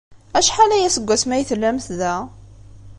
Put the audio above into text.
Acḥal aya seg wasmi ay tellamt da?